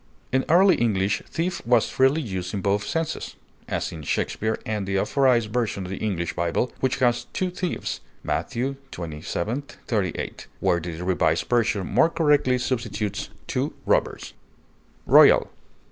In early English thief was freely used in both senses, as in Shakespeare and the Authorized Version of the English Bible, which has "two thieves" (Matt. xxvii, 38), where the Revised Version more correctly substitutes "two robbers." ROYAL.